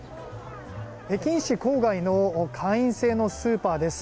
北京市郊外の会員制のスーパーです。